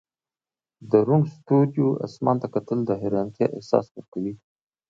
د روڼ ستوریو اسمان ته کتل د حیرانتیا احساس ورکوي.